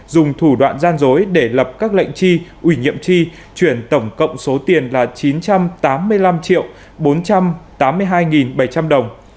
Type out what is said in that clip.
dùng thủ đoạn gian dối để lập các lệnh chi ủy nhiệm chi chuyển tổng cộng số tiền là chín trăm tám mươi năm bốn trăm tám mươi hai đồng